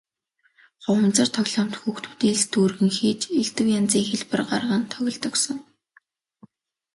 Хуванцар тоглоомд хүүхдүүд элс дүүргэн хийж элдэв янзын хэлбэр гарган тоглодог сон.